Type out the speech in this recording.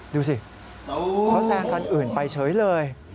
ดูสิเขาแซงคันอื่นไปเฉยเลย